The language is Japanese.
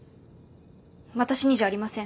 私にじゃありません。